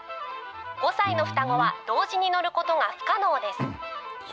５歳の双子は同時に乗ることが不可能です。